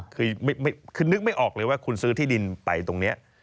คือนึกไม่ออกเลยว่าคุณซื้อที่ดินไปตรงนี้